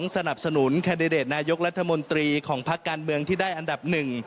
สนับสนุนแคนดิเดตนายกรัฐมนตรีของพักการเมืองที่ได้อันดับหนึ่ง